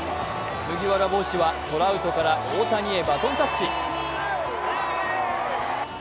麦わら帽子はトラウトから大谷へバトンタッチ。